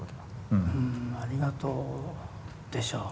うん「ありがとう」でしょう。